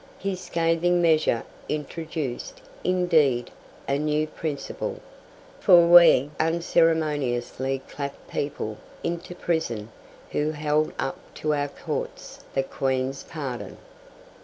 His scathing measure introduced, indeed, a new principle, for we unceremoniously clapped people into prison who held up to our courts the Queen's pardon.